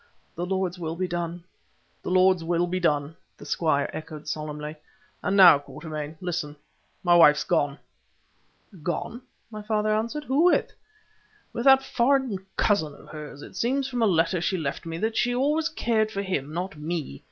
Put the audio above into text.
The Lord's will be done!" "The Lord's will be done," the squire echoed, solemnly. "And now, Quatermain, listen—my wife's gone." "Gone!" my father answered. "Who with?" "With that foreign cousin of hers. It seems from a letter she left me that she always cared for him, not for me.